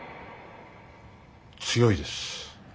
強いです。